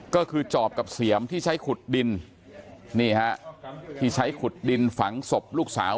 ก็คือจอบกับเสียมที่ใช้ขุดดินนี่ฮะที่ใช้ขุดดินฝังศพลูกสาว